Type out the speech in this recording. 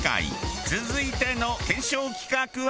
続いての検証企画は。